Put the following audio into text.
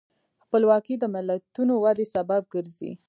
خپلواکي د ملتونو د ودې سبب ګرځي.